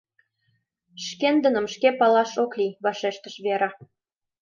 — Шкендыным шке палаш ок лий, — вашештыш Вера.